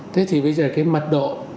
thế thì bây giờ cái mặt độ